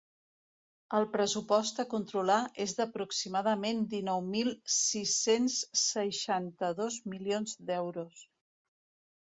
El pressupost a controlar és d'aproximadament dinou mil sis-cents seixanta-dos milions d'euros.